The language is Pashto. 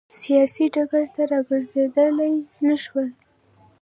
سیاسي ډګر ته راګرځېدای نه شول.